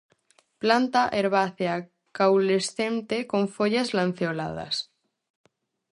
Planta herbácea caulescente con follas lanceoladas.